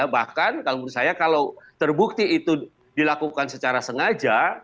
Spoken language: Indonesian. bahkan kalau menurut saya kalau terbukti itu dilakukan secara sengaja